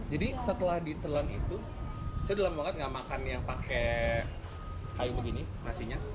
jadi setelah ditelan itu saya udah lama banget nggak makan yang pakai kayu begini nasinya